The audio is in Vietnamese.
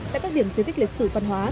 tại các điểm di tích lịch sử văn hóa